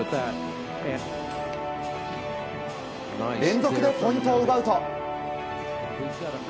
連続でポイントを奪うと。